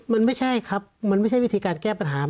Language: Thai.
มันไม่ใช่ครับมันไม่ใช่วิธีการแก้ปัญหา